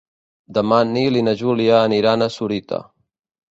Demà en Nil i na Júlia aniran a Sorita.